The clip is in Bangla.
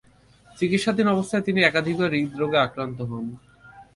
চিকিৎসাধীন অবস্থায় তিনি একাধিকবার হৃদরোগে আক্রান্ত হন।